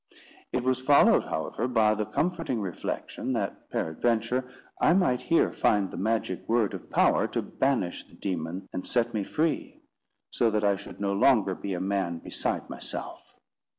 It was followed, however, by the comforting reflection that, peradventure, I might here find the magic word of power to banish the demon and set me free, so that I should no longer be a man beside myself.